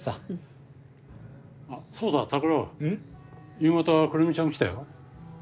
夕方くるみちゃん来たよ。